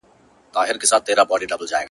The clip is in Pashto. له کلونو ناپوهی یې زړه اره سو-